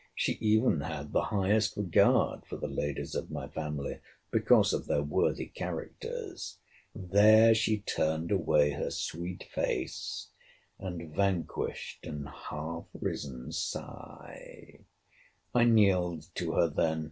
She even had the highest regard for the ladies of my family, because of their worthy characters. There she turned away her sweet face, and vanquished an half risen sigh. I kneeled to her then.